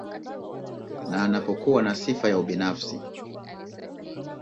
na anapokuwa na sifa ya ubinafsi